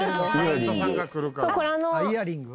イヤリング？